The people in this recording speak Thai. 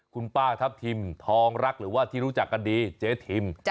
คุณป้าทัพทิมทองรักหรือว่าที่รู้จักกันดีเจ๊ทิม